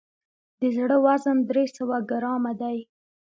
د زړه وزن درې سوه ګرامه دی.